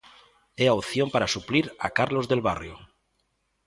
É a opción para suplir a Carlos del Barrio.